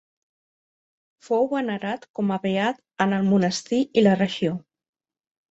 Fou venerat com a beat en el monestir i la regió.